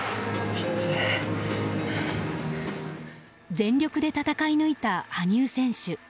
全力で戦い抜いた羽生選手。